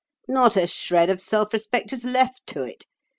Not a shred of self respect is left to it.